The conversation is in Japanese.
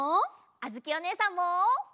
あづきおねえさんも！